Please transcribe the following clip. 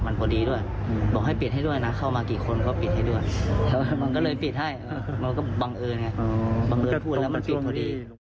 บังเอิญพูดแล้วมันปิดพอดี